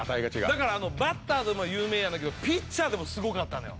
だからバッターでも有名やねんけどピッチャーでもすごかったのよ。